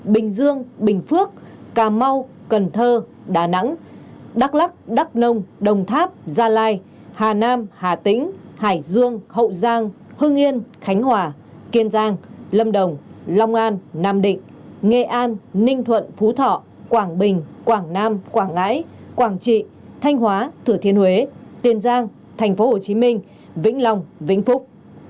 bình dương bình phước cà mau cần thơ đà nẵng đắk lắc đắk nông đồng tháp gia lai hà nam hà tĩnh hải dương hậu giang hưng yên khánh hòa kiên giang lâm đồng long an nam định nghệ an ninh thuận phú thọ quảng bình quảng nam quảng ngãi quảng trị thanh hóa thử thiên huế tiên giang tp hcm vĩnh long vĩnh phúc